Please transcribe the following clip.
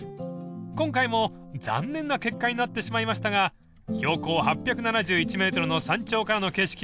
［今回も残念な結果になってしまいましたが標高８７１ｍの山頂からの景色は超絶景］